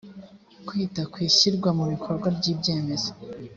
kwita ku ishyirwa mu bikorwa ry ibyemezo